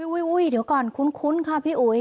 เดี๋ยวก่อนคุ้นค่ะพี่อุ๋ย